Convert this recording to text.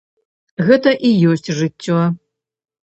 Гэта і ёсць жыццё.